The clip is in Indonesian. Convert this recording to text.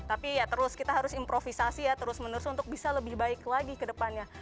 tapi ya terus kita harus improvisasi ya terus menerus untuk bisa lebih baik lagi ke depannya